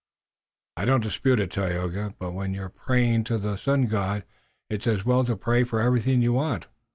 "I don't dispute it, Tayoga, but when you're praying to the Sun God it's as well to pray for everything you want."